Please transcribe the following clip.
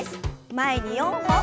前に４歩。